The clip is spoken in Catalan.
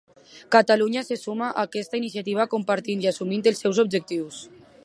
Catalunya se suma a aquesta iniciativa compartint i assumint els seus objectius.